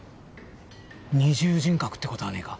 二重人格ってことはねえか？